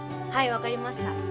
はい分かりました。